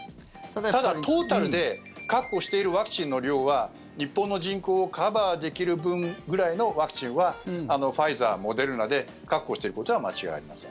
ただ、トータルで確保しているワクチンの量は日本の人口をカバーできる分ぐらいのワクチンはファイザー、モデルナで確保していることは間違いありません。